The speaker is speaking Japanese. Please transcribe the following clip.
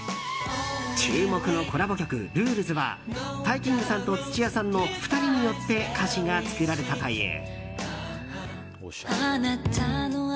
注目のコラボ曲「Ｒｕｌｅｓ」はＴＡＩＫＩＮＧさんと土屋さんの２人によって歌詞が作られたという。